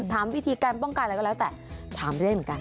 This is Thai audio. ถามวิธีการป้องกันอะไรก็แล้วแต่ถามไม่ได้เหมือนกัน